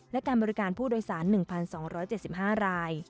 และการบริการผู้โดยสาร๑๒๗๕ราย